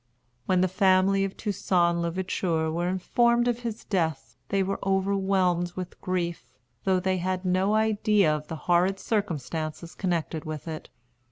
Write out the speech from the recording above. When the family of Toussaint l'Ouverture were informed of his death, they were overwhelmed with grief, though they had no idea of the horrid circumstances connected with it.